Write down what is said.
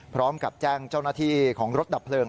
พร้อมกับแจ้งเจ้าหน้าที่ของรถดับเพลิง